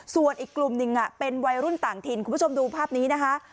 ส่วนอีกกลุ่มหนึ่งเป็นวัยรุ่นต่างถิ่นคุณผู้ชมดูภาพนี้นะคะ